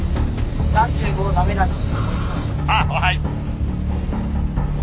あっはい。